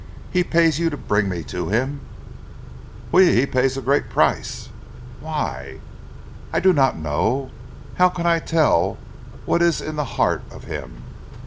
He pays you to bring me to him?" "Oui! He pays a great price!" "Why?" "I not know! How can I tell what ees in zee heart of heem?